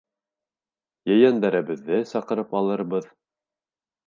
Ейәндәребеҙҙе саҡырып алырбыҙ...